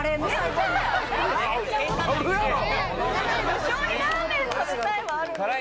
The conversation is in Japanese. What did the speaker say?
無性にラーメン食べたいはあるんですけど。